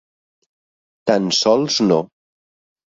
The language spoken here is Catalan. Tan sols no.